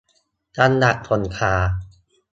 จังหวัดสงขลา